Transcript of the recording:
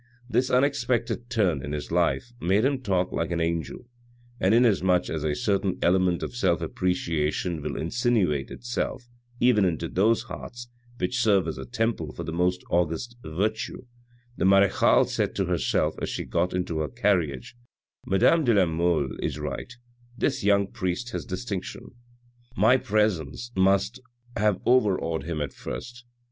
This unexpected turn in his life made him talk like an angel, and inasmuch as a certain element of self appreciation will insinuate itself even into those hearts which serve as a temple for the most august virtue, the marechale said to her self as she got into her carriage, " Madame de la Mole is right, this young priest has distinction. My presence must have overawed him at first.